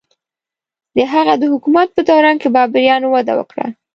د هغه د حکومت په دوران کې بابریانو وده وکړه.